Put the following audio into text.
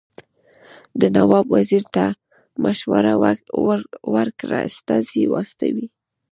ده نواب وزیر ته مشوره ورکړه استازي واستوي.